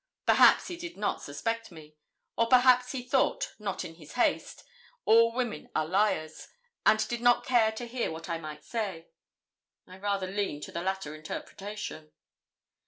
Perhaps he did not suspect me; or, perhaps, he thought, not in his haste, all women are liars, and did not care to hear what I might say. I rather lean to the latter interpretation.